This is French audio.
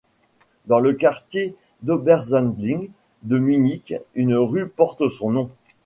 Dans le quartier d'Obersendling de Munich, une rue porte son nom.